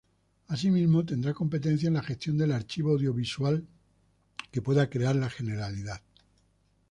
Asimismo, tendrá competencias en la gestión del archivo audiovisual que pueda crear la Generalidad.